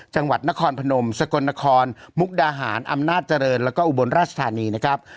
จังหวัดนครพนมสกลนครมุกดาหารอำนาจเจริญแล้วก็อุบลราชธานีนะครับ